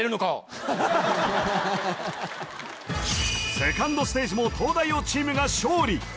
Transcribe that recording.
セカンドステージも東大王チームが勝利